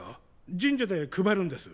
神社で配るんです。